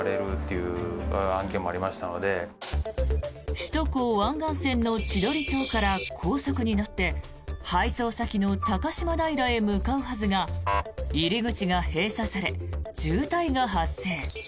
首都高湾岸線の千鳥町から高速に乗って配送先の高島平へ向かうはずが入り口が閉鎖され渋滞が発生。